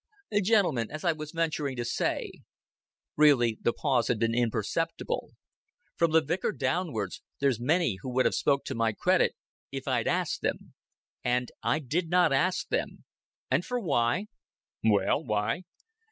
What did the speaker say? "Gentlemen, as I was venturing to say " Really the pause had been imperceptible: "From the vicar downwards, there's many would have spoke to my credit if I'd asked them. And I did not ask them and for why?" "Well, why?"